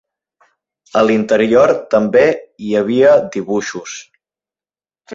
A l'interior també hi havia dibuixos.